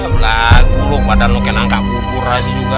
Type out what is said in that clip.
belah kuluk badan lo kena angkat kubur aja juga